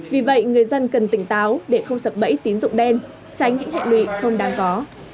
vì vậy người dân cần tỉnh táo để không sập bẫy tín dụng đen tránh những hệ lụy không đáng có